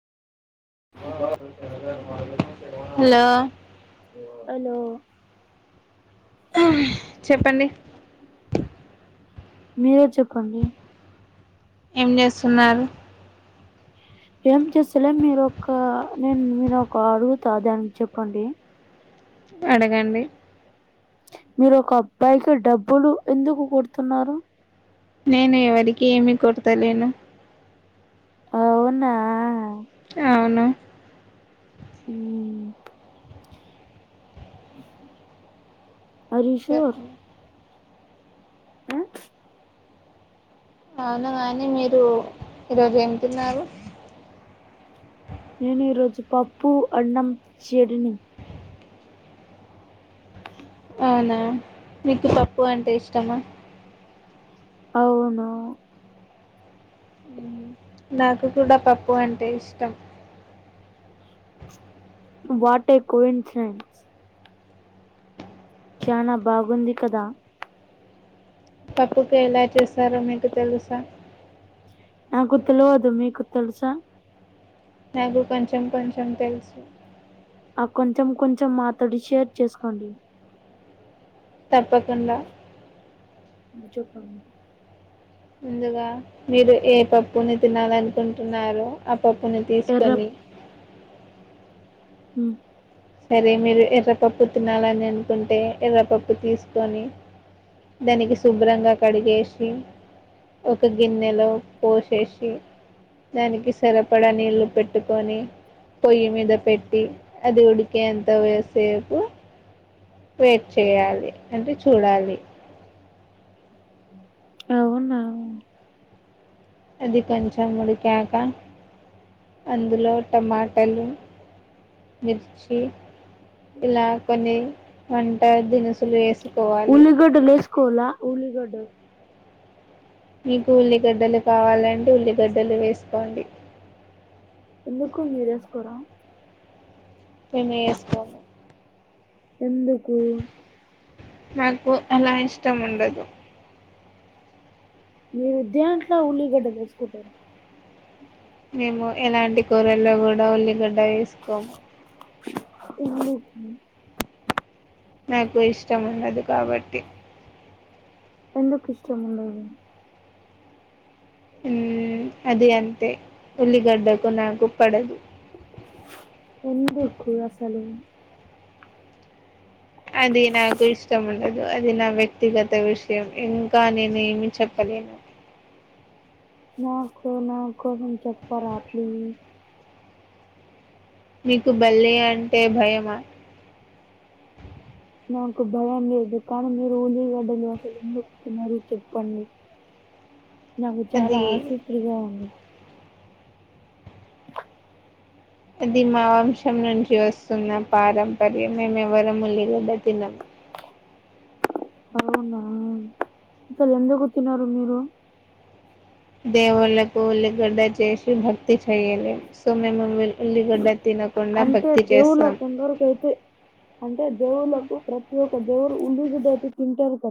Hello చెప్పండి. మీరే చెప్పండి. ఏం చేస్తున్నారు. ఏం చేస్తలే మీరోక నేను మీన్నోక అడుగుతా దానికి చెప్పండి. అడగండి. మీరు ఒక అబ్బాయికి డబ్బులు ఎందుకు కొడుతున్నారు. నేను ఎవరికి ఏమి కొడతలేను. అవును మ్ అర్ యు శోర్ అవును కాని మీరు ఈరోజు ఏమి తిన్నారు. నేను ఈరోజు పప్పు అన్నం చెట్ని అవునా మీకు పప్పు అంటే ఇష్టమా అవును. నాకు కూడా పప్పు అంటే ఇష్టం. వాట్ ఏ కో ఇన్సిడెంటెంట్స్ చనా బాగుంది కదా పప్పు కుర్రఎలా చేస్తారో మీకు తెలుసా నా తెలీదు మీకు తెలుసా నాకు కొంచెం కొంచెం తెలుసు ఆ కొంచెం కొంచెం మాతో షేర్ చేసుకోండి తప్పకుడా చూపండి ముందుగా మీరు ఏ పప్పుని తినాల అనుకుంటున్నారో పప్పును తీసుకొని హ సరే మీరు ఎర్రపప్పు తినాలని అనుకుంటే ఎర్రపప్పు తీసుకొని దానికి శుభ్రంగా కడిగేసి ఒక గిన్నెలో పోసేసి దానికి సరిపడా నీళ్లు పెట్టుకొని పొయ్యి మీద పెట్టి అది ఉడికి ఎంత వేసేపు వెయిట్ చేయాలి అంటే చూడాలి అవునా అది కొంచెం ఉడికాక అందులో టమాటలు మిర్చి ఇలా కొన్ని వంట దినుసులు వేసుకోవాలి ఉల్లిగడ్డ మీకు ఉల్లిగడ్డలు కావాలంటే ఉల్లిగడ్డలు వేసుకోండి ఎందుకు మెరువేసుకోర మేమువేసుకోము ఎందుకు నాకు అలా ఇష్టం ఉండదు మీరుధ్యాట్లా ఉల్లిగడ స్కూటర్ గ ఉల్లిగడ్డ వేసుకోము ఇంగ్లీఫ నాకు ఇష్టం ఉండదు కాబట్టి ఎందుకు ఇష్టముండదు హ అదే అంత ఉుల్లిగడ్డకుూ నాకు పడదు ఎందుకు అసలు అది నాకు ఇష్టం ఉండదు అది నా వ్యక్తిగత విషయం ఇంకా నేను ఏమి చెప్పలేను నాకు నాకు చేపర్ ప్లస్ నీకు బల్లి అంటే భయమా నాకు భయం లేదు కానీ మీరు ఉల్లీగడ్డలు అసలు ఎందుకుంటున్నారు చెప్పుండి నా కొంచ చాల ఆశతుగా అ అది మా వంశం నుంచి వస్తున్న పారంపర్యం ఉల్లిళ్ళగడ్డ తినం అవునా అసలు ఎందుకు తినారు మీరు దేవాలకుల్లి కద చేసి భక్తి చయ్యలే సో మ ఉల్లిగడ్డ తిన అంటే దేవుళ్ళ తందరికి అయితే అంటే దేవుళ్లకు ప్రతి ఒక్క దేవురు ఉల్లిగడ్డఅయితే తింటారు